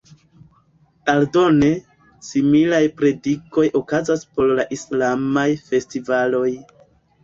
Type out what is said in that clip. Aldone, similaj predikoj okazas por la islamaj festivaloj.